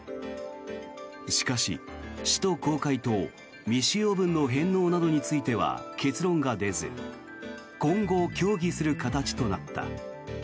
しかし、使途公開と未使用分の返納などについては結論が出ず今後、協議する形となった。